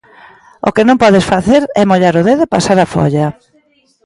O que non podes facer é mollar o dedo e pasar a folla.